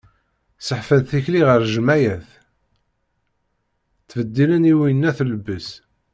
Sseḥfan tikli ɣer leğmayat, ttbeddilen i uyennat lbus.